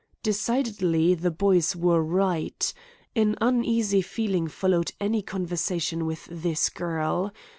Decidedly the boys were right. An uneasy feeling followed any conversation with this girl.